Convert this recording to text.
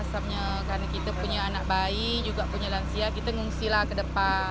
karena kita punya anak bayi juga punya lansia kita mengungsilah ke depan